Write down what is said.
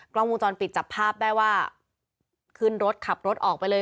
กล้องวงจรปิดจับภาพได้ว่าขึ้นรถขับรถออกไปเลย